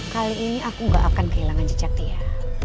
kali ini aku gak akan kehilangan jejak dia